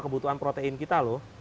kebutuhan protein kita loh